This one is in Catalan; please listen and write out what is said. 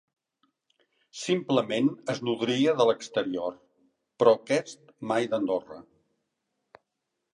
Simplement es nodria de l’exterior, però aquest mai d’Andorra.